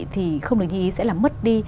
thì không được nhí ý sẽ là mất đi